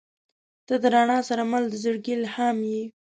• ته د رڼا سره مل د زړګي الهام یې.